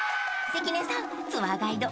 関根さんの。